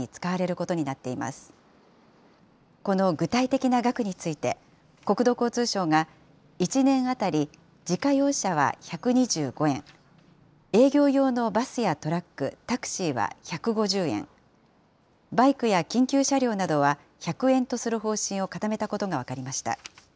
この具体的な額について、国土交通省が１年当たり自家用車は１２５円、営業用のバスやトラック、タクシーは１５０円、バイクや緊急車両などは１００円とする方針を固めたことが分かりました。